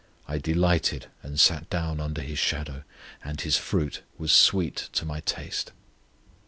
I delighted and sat down under His shadow, And His fruit was sweet to my taste.